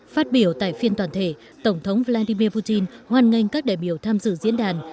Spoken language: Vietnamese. phát biểu tại phiên toàn thể tổng thống vladimir putin hoan nghênh các đại biểu tham dự diễn đàn